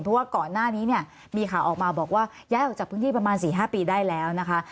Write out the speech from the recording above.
เพราะว่าก่อนหน้านี้เนี่ยมีข่าวออกมาบอกว่าย้ายออกจากพื้นที่ประมาณ๔๕ปีได้แล้วนะคะ